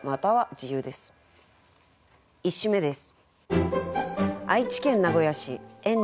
１首目です。